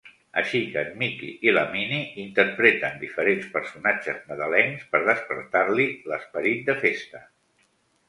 Així que en Mickey i la Minnie interpreten diferents personatges nadalencs per despertar-li l'esperit de festa.